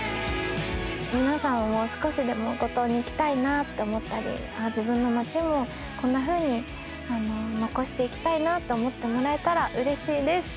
皆さんも少しでも五島に行きたいなって思ったり自分の街もこんなふうに残していきたいなと思ってもらえたらうれしいです。